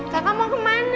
kakak mau kemana